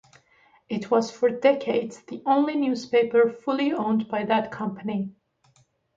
It was for decades the only newspaper fully owned by that company.